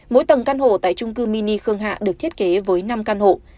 mỗi tầng căn hộ tại trung cư mini khương hạ được thiết kế với năm căn hộ